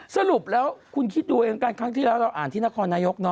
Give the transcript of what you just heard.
สรุปแล้วคุณคิดดูเองกันครั้งที่แล้วเราอ่านที่นครนายก